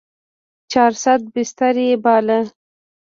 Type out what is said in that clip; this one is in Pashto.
چارصد بستر يې باله.